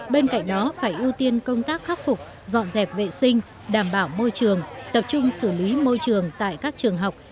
bên cạnh đó phải ưu tiên công tác khắc phục dọn dẹp vệ sinh đảm bảo môi trường tập trung xử lý môi trường tại các trường học